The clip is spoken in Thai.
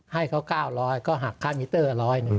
ให้เขา๙๐๐ก็หักค่ามิเตอร์๑๐๐